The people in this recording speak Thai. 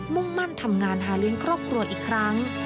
มุ่งมั่นทำงานหาเลี้ยงครอบครัวอีกครั้ง